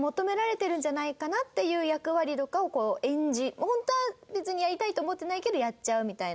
本当は別にやりたいと思ってないけどやっちゃうみたいな。